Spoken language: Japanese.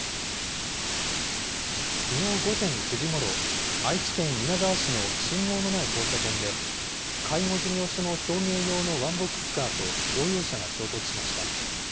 きのう午前９時ごろ、愛知県稲沢市の信号のない交差点で、介護事業所の送迎用のワンボックスカーと乗用車が衝突しました。